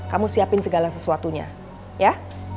kamu siapin segala sesuatunya ya